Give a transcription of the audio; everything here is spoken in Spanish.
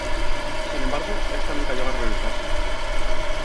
Sin embargo, está nunca llegó a realizarse.